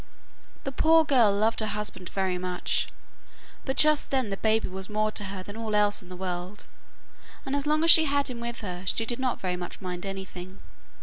The poor girl loved her husband very much, but just then the baby was more to her than all else in the world, and as long as she had him with her, she did not very much mind anything.